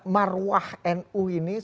supaya tetap seperti itu